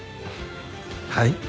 はい？